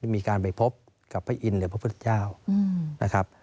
มีการไปพบกับพระอินทร์หรือพระพุทธเจ้านะครับ